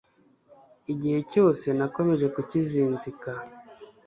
Igihe cyose nakomeje kukizinzika